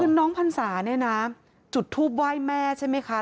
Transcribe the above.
คือน้องพรรษาเนี่ยนะจุดทูปไหว้แม่ใช่ไหมคะ